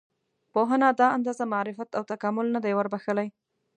پوهنې دا اندازه معرفت او تکامل نه دی وربښلی.